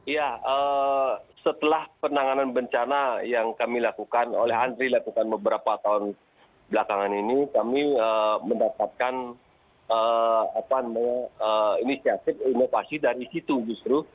ya setelah penanganan bencana yang kami lakukan oleh andri lakukan beberapa tahun belakangan ini kami mendapatkan inisiatif inovasi dari situ justru